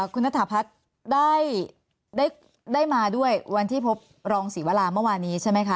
คุณนฤษภัษย์ได้ได้ได้มาด้วยวันที่พบรองสีวะลามเมื่อวานี้ใช่ไหมคะ